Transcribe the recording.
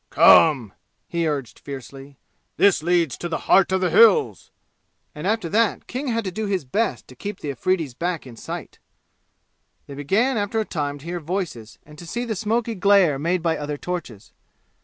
"Come!" he urged fiercely. "This leads to the 'Heart of the Hills'!" And after that King had to do his best to keep the Afridi's back in sight. They began after a time to hear voices and to see the smoky glare made by other torches.